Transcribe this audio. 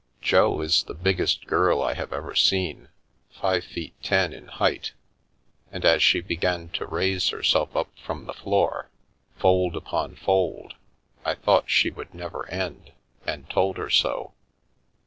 Jo is the biggest girl I have ever seen, five feet ten in height, and as she began to raise herself up from the floor, fold 210 Pan at Covent Garden upon fold, I thought she would never end, and told her so.